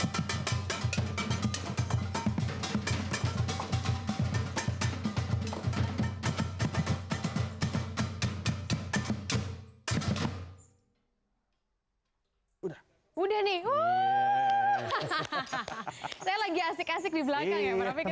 hahaha saya lagi asik asik di belakang ya